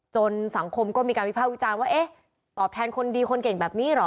สังคมก็มีการวิภาควิจารณ์ว่าเอ๊ะตอบแทนคนดีคนเก่งแบบนี้เหรอ